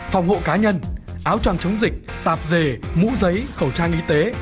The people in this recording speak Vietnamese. phòng hộ cá nhân áo tròn chống dịch tạp dề mũ giấy khẩu trang y tế